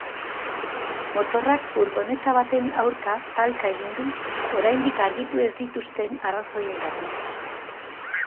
Motorrak furgoneta baten aurka talka egin du, oraindik argitu ez dituzten arrazoiengatik.